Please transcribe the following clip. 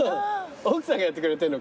奥さんがやってくれてんのか。